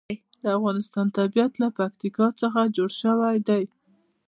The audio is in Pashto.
د افغانستان طبیعت له پکتیکا څخه جوړ شوی دی.